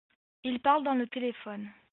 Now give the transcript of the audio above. Il parle dans le téléphone.